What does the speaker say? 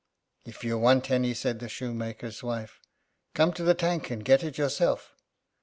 "If you want any," said the shoemaker's wife, "come to the tank and get it yourself."